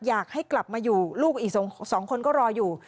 อยากให้กลับมาอยู่ลูกอีก๒คนก็รออยู่